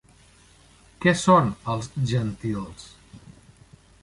Què són els gentils?